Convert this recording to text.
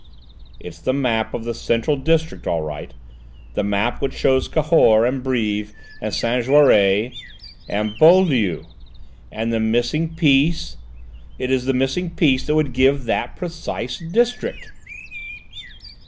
"It's the map of the centre district all right: the map which shows Cahors, and Brives, and Saint Jaury and Beaulieu! And the missing piece it is the missing piece that would give that precise district!"